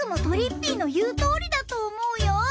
ぴいの言うとおりだと思うよ。